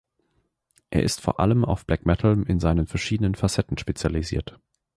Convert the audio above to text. Es ist vor allem auf Black Metal in seinen verschiedenen Facetten spezialisiert.